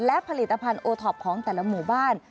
และผลิตภัณฑ์โอท็อปของแต่ละหมู่บ้าน